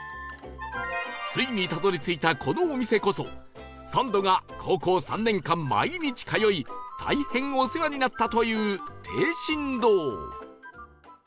ついにたどり着いたこのお店こそサンドが高校３年間毎日通い大変お世話になったという定進堂